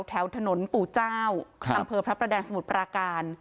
แถวถนนปู่เจ้าอำเภอพระประแดงสมุทรปราการ